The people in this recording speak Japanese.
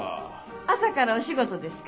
朝からお仕事ですか？